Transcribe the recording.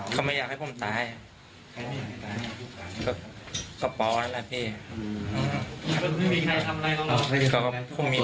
เขาไม่อยากให้ผมตายก็ปอนั่นแหละพี่